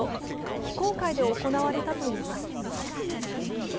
非公開で行われたといいます。